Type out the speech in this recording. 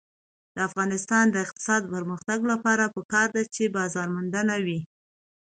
د افغانستان د اقتصادي پرمختګ لپاره پکار ده چې بازارموندنه وي.